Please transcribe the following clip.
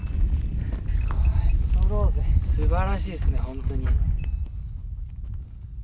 すばらしいですね、本当に。